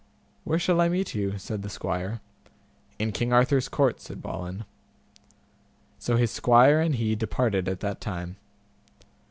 Where shall I meet with you? said the squire. In King Arthur's court, said Balin. So his squire and he departed at that time.